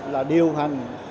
là điều hành